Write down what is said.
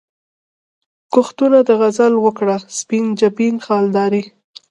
کښتونه د غزل وکره، سپین جبین خالدارې